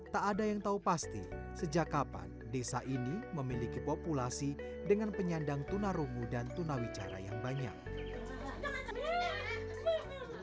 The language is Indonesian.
tak ada yang tahu pasti sejak kapan desa ini memiliki populasi dengan penyandang tunarungu dan tunawicara yang banyak